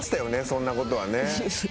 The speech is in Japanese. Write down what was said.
そんなことはね。